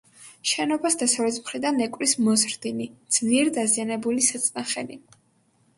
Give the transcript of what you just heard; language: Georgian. შენობას დასავლეთ მხრიდან ეკვრის მოზრდილი, ძლიერ დაზიანებული საწნახელი.